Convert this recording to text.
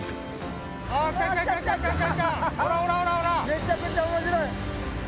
めちゃくちゃ面白い！